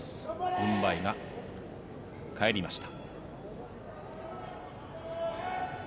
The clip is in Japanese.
軍配返りました。